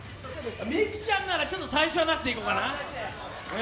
美空ちゃんなら最初はなしでいこうかな。